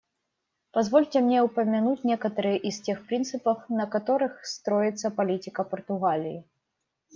Позвольте мне упомянуть некоторые из тех принципов, на которых строится политика Португалии.